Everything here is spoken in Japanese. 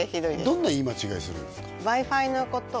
どんな言い間違いするんですか？